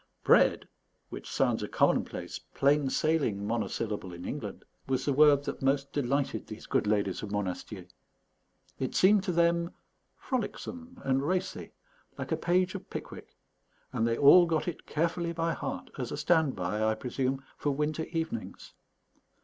"Bread," which sounds a commonplace, plain sailing monosyllable in England, was the word that most delighted these good ladies of Monastier; it seemed to them frolicsome and racy, like a page of Pickwick; and they all got it carefully by heart, as a stand by, I presume, for winter evenings.